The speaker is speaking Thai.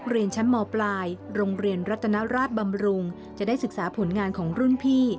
เรียนชั้นมปลายโรงเรียนรัตนราชบำรุงจะได้ศึกษาผลงานของรุ่นพี่